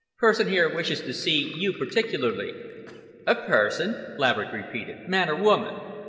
"Person here wishes to see you particularly." "A person!" Laverick repeated. "Man or woman?"